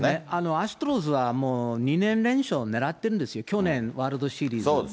アストロズは、２年連勝狙ってるんですよ、去年、ワールドシリーズで。